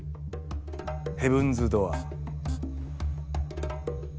ヘブンズ・ドアー。